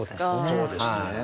そうですね。